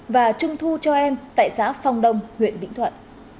và trung thu cho em tại xã phong đông huyện vĩnh thuận